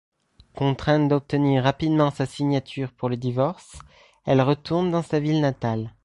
Contrainte d'obtenir rapidement sa signature pour le divorce, elle retourne dans sa ville natale.